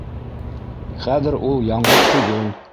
Хәҙер ул яңғыҙ түгел.